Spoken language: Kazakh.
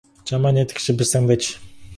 Жаман етікші біз таңдайды.